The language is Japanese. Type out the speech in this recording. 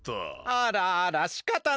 あらあらしかたないですね。